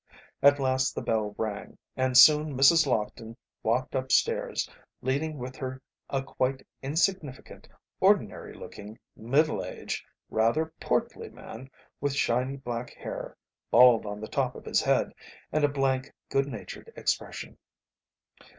At last the bell rang, and soon Mrs. Lockton walked upstairs, leading with her a quite insignificant, ordinary looking, middle aged, rather portly man with shiny black hair, bald on the top of his head, and a blank, good natured expression.